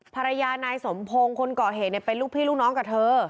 ภรรยานายสมพงศ์คนก่อเหตุเป็นลูกพี่ลูกน้องกับเธอ